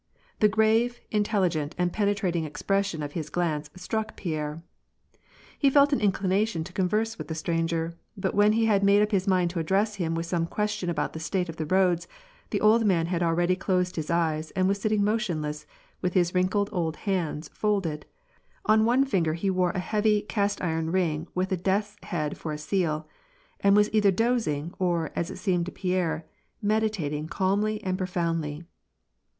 The grave, intelligent, and penetrating expression of his glance struck Pierre. He felt an inclination to converse with the stranger, but when he had made up his mind to address him with some question about the state of the roads, the old man had already closed his eyes, and was sitting motionless, with his wrinkled old hands folded, — on one finger he wore a heavy, cast iron ring with a death's head for a seal — and was either dozing, or, as it seemed to Pierre, meditating calmly and profoundly.